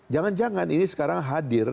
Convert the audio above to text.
jangan jangan ini sekarang hadir